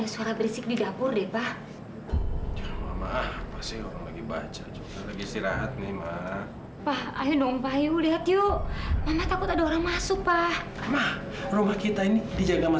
sampai jumpa di video selanjutnya